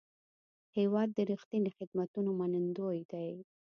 هېواد د رښتیني خدمتونو منندوی دی.